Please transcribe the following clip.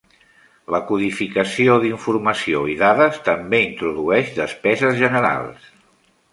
La codificació d'informació i dades també introdueix despeses generals.